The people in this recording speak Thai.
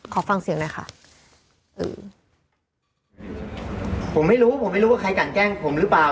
ขอฟังเสียงหน่อยค่ะเออผมไม่รู้ผมไม่รู้ว่าใครกันแกล้งผมหรือเปล่า